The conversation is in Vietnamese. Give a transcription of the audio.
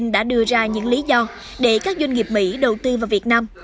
đã đưa ra những lý do để các doanh nghiệp mỹ đầu tư vào việt nam